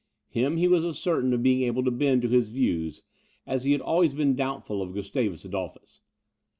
Him he was as certain of being able to bend to his views, as he had always been doubtful of Gustavus Adolphus.